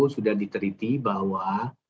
sudah diteriti bahwa